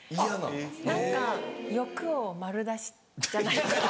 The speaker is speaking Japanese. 何か欲を丸出しじゃないですか。